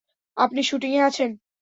আপনি শ্যুটিং-এ আছেন!